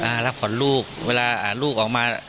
อ่ารับผ่อนลูกเวลาลูกออกมา